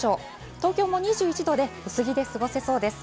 東京も２１度で薄着で過ごせそうです。